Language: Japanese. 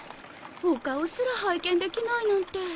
お顔すら拝見できないなんて。